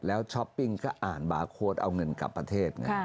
แล้วช้อปปิ้งก็อ่านบาร์โค้ดเอาเงินกลับประเทศไง